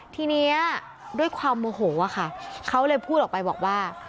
ทีนี้ด้วยความโมโหค่ะเขาเลยพูดออกไปบอกว่า